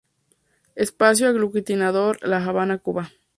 Espacio Aglutinador, La Habana, Cuba.